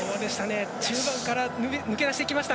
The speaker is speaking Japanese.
中盤から抜け出してきました。